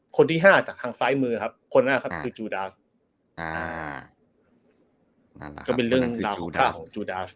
คนที่ห้าจากทางซ้ายมือครับคนหน้าครับคือจูดาสอ่าก็เป็นเรื่องราวของจูดาส